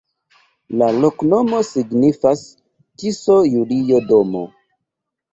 La loknomo signifas: Tiso-Julio-domo.